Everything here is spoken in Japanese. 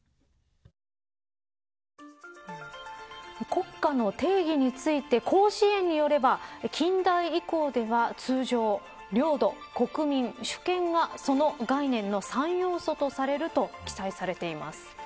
国家の定義について広辞苑によれば近代以降では通常領土、国民、主権がその概念の３要素とされると記載されています。